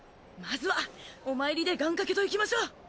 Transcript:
まずはお参りで願掛けといきましょう。